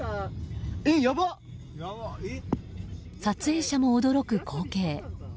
撮影者も驚く口径。